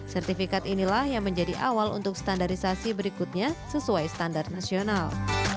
sertifikat inilah yang menjadi awal untuk standarisasi berikutnya sesuai standar nasional